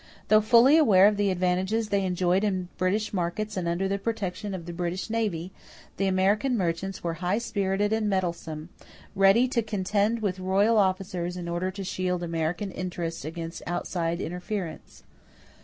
Though fully aware of the advantages they enjoyed in British markets and under the protection of the British navy, the American merchants were high spirited and mettlesome, ready to contend with royal officers in order to shield American interests against outside interference.